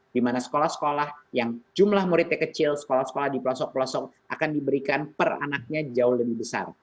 di mana sekolah sekolah yang jumlah muridnya kecil sekolah sekolah di pelosok pelosok akan diberikan per anaknya jauh lebih besar